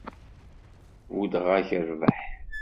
Buddeɣ-ak rrbeḥ!